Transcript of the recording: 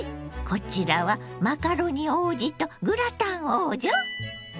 こちらはマカロニ王子とグラタン王女？